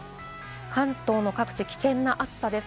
関東も各地、危険な暑さです。